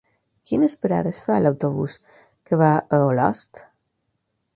Quines parades fa l'autobús que va a Olost?